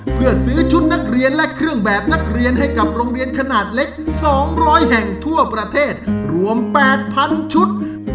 เพื่อซื้อชุดนักเรียนและเครื่องแบบนักเรียนให้กับโรงเรียนขนาดเล็ก๒๐๐แห่งทั่วประเทศรวม๘๐๐๐ชุด